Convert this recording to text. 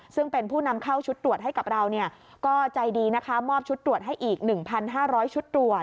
ซึ่งเป็นผู้นำเข้าชุดตรวจให้กับเราก็ใจดีนะคะมอบชุดตรวจให้อีก๑๕๐๐ชุดตรวจ